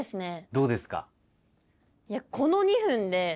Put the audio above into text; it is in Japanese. どうですか？